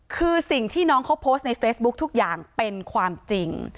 คือสิ่งที่น้องเขาโพสต์ในเฟซบุ๊คทุกอย่างเป็นความจริง